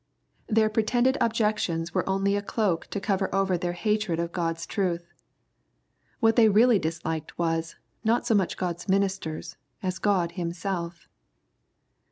Their pretended objections were only a cloak to cover over their hatred of Gkni's truth. What they really disliked was, not so much God's ministers, as God Himself.